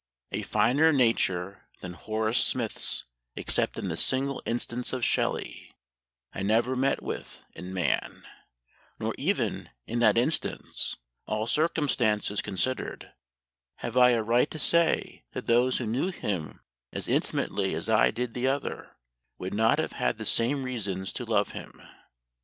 A finer nature than Horace Smith's, except in the single instance of Shelley, I never met with in man; nor even in that instance, all circumstances considered, have I a right to say that those who knew him as intimately as I did the other, would not have had the same reasons to love him....